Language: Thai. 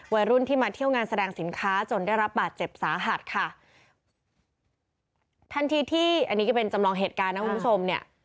วัยรุ่นที่มาเที่ยวงานแสดงสินค้าจนได้รับบาดเจ็บสาหัสค่ะทันทีที่อันนี้ก็เป็นจำลองเหตุการณ์นะคุณผู้ชมเนี่ย